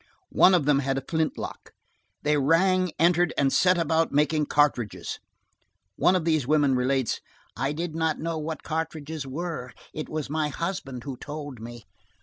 One of them had a flint lock. They rang, entered, and set about making cartridges. One of these women relates: "I did not know what cartridges were; it was my husband who told me."